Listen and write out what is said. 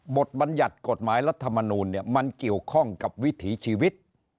บทบรรยัติกฎหมายรัฐมนูลมันเกี่ยวข้องกับวิถีชีวิต